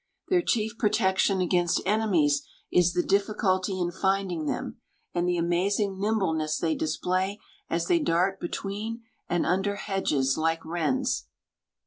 Their chief protection against enemies is the difficulty in finding them and the amazing nimbleness they display as they dart between and under hedges like wrens.